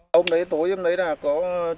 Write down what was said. hôm đấy tối em lấy là có